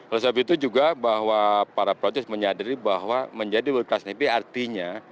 oleh sebab itu juga bahwa para project menyadari bahwa menjadi world class navy artinya